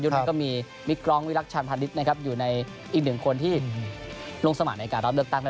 จากยุดนั้นก็มีมิคกร้องวิลักษณ์ชาร์มพันธุ์ฯอยู่ในอีก๑คนที่ลงสมัครในการรอบเลือกตั้ง